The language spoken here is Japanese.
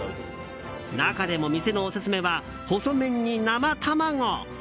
中でも店のオススメは細麺に生卵。